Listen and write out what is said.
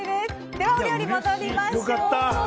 では、お料理に戻りましょう。